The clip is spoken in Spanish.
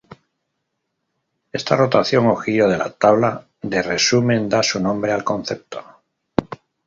Esta "rotación" o giro de la tabla de resumen da su nombre al concepto.